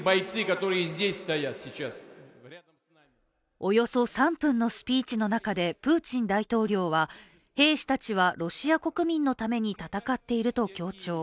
およそ３分のスピーチの中でプーチン大統領は兵士たちはロシア国民のために戦っていると強調。